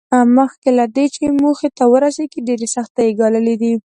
مخکې له دې چې موخې ته ورسېږي ډېرې سختۍ یې ګاللې دي